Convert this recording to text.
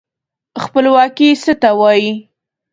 خپلواکي څه ته وايي.